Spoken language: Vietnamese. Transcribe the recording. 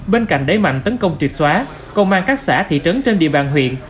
bên cạnh đáy mạnh tấn công triệt xóa công an các xã thị trấn trên địa bàn huyện